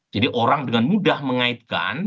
jadi orang dengan mudah mengaitkan